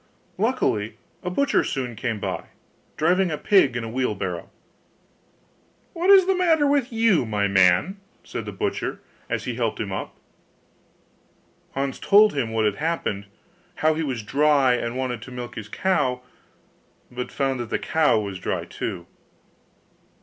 Luckily a butcher soon came by, driving a pig in a wheelbarrow. 'What is the matter with you, my man?' said the butcher, as he helped him up. Hans told him what had happened, how he was dry, and wanted to milk his cow, but found the cow was dry too.